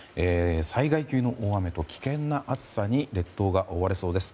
災害級の大雨と危険な暑さに列島が覆われそうです。